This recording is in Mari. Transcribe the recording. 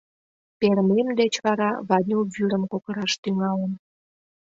Перымем деч вара Ваню вӱрым кокыраш тӱҥалын.